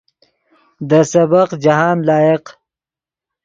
دے سبق جاہند لائق